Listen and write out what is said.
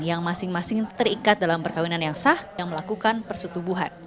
yang masing masing terikat dalam perkawinan yang sah yang melakukan persutubuhan